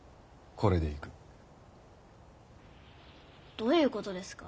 どういうことですかァ？